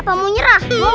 apa mau nyerah